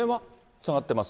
つながってます。